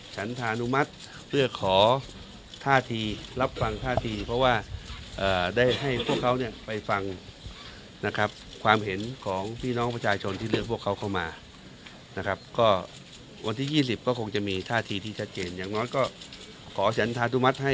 ฉันธานุมัติเพื่อขอท่าทีรับฟังท่าทีเพราะว่าได้ให้พวกเขาเนี่ยไปฟังนะครับความเห็นของพี่น้องประชาชนที่เลือกพวกเขาเข้ามานะครับก็วันที่๒๐ก็คงจะมีท่าทีที่ชัดเจนอย่างน้อยก็ขอฉันธานุมัติให้